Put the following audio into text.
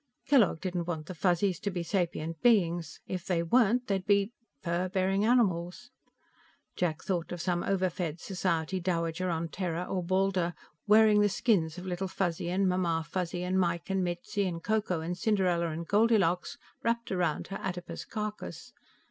Kellogg didn't want the Fuzzies to be sapient beings. If they weren't they'd be ... fur bearing animals. Jack thought of some overfed society dowager on Terra or Baldur, wearing the skins of Little Fuzzy and Mamma Fuzzy and Mike and Mitzi and Ko Ko and Cinderella and Goldilocks wrapped around her adipose carcass.